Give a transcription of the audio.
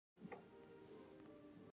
آیا دوی خپله دفاعي اړتیا نه پوره کوي؟